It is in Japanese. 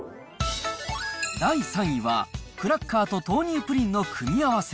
第３位は、クラッカーと豆乳プリンの組み合わせ。